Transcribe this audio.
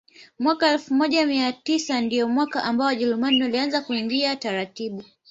Mwaka elfu moja mia tisa ndio mwaka ambao Wajerumani walianza kuingia taratibu